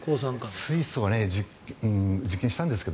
水素は実験したんですが